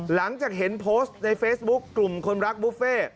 หลังจากเห็นโพสต์ในเฟซบุ๊คกลุ่มคนรักบุฟเฟ่